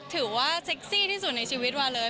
ถือว่าเซ็กซี่ที่สุดในชีวิตว่าเลย